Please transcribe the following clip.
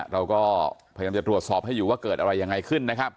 เราก็พยายามจะตรวจสอบให้อยู่ว่าเกิดอะไรยังไงขึ้นนะครับ